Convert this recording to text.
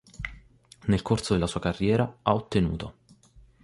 Nel corso della sua carriera, ha ottenuto